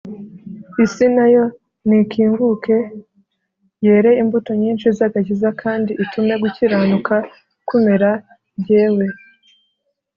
Isi na yo nikinguke yere imbuto nyinshi z agakiza kandi itume gukiranuka kumera jyewe